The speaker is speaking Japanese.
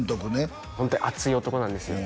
ホントに熱い男なんですよ